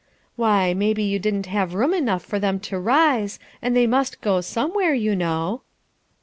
"Why, maybe you didn't have room enough for them to rise, and they must go somewhere, you know."